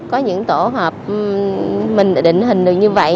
có những tổ hợp mình định hình được như vậy